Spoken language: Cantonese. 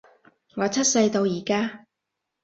我出世到而家